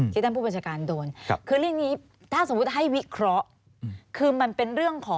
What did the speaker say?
ที่ท่านผู้บัญชการโดน